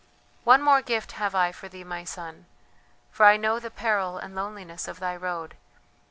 "One more gift have I for thee, my son, for I know the peril and loneliness of thy road.